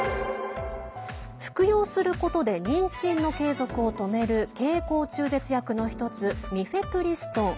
服用することで妊娠の継続を止める経口中絶薬の１つミフェプリストン。